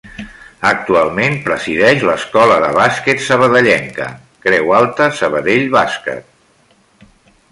Actualment presideix l'escola de bàsquet sabadellenca Creu Alta Sabadell Bàsquet.